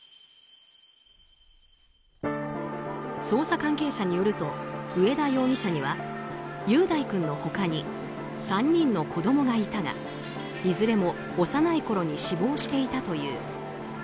捜査関係者によると上田容疑者には雄大君の他に３人の子供がいたがいずれも幼いころに死亡していたという。